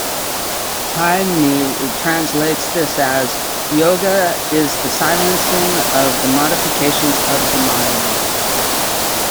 Taimni translates this as: "Yoga is the silencing of the modifications of the mind".